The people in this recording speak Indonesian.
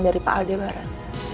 dari pak aldebaran